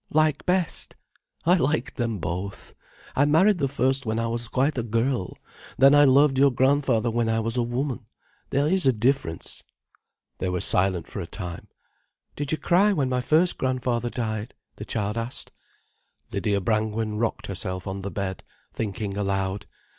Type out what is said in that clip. "Like best." "I liked them both. I married the first when I was quite a girl. Then I loved your grandfather when I was a woman. There is a difference." They were silent for a time. "Did you cry when my first grandfather died?" the child asked. Lydia Brangwen rocked herself on the bed, thinking aloud.